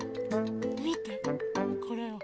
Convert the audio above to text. みてこれを。